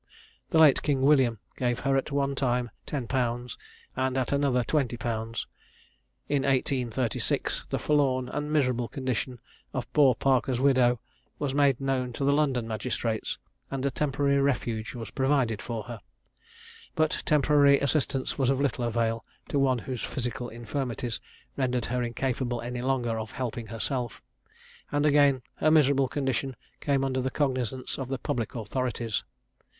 The late King William gave her at one time 10_l._, and at another 20_l._ In 1836, the forlorn and miserable condition of poor Parker's widow was made known to the London magistrates, and a temporary refuge was provided for her. But temporary assistance was of little avail to one whose physical infirmities rendered her incapable any longer of helping herself, and again her miserable condition came under the cognizance of the public authorities.